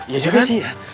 iya juga sih ya